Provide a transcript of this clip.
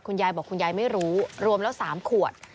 คุณยายบอกคุณยายไม่รู้รวมแล้ว๓ขวด